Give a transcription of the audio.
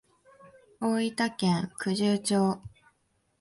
大分県九重町